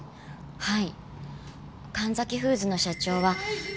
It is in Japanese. はい。